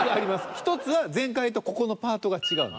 １つは前回とここのパートが違うの。